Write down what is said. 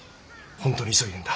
本当に急いでんだ。